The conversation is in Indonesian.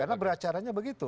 karena beracaranya begitu